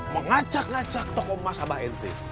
mengajak ajak tokoh emas abah ente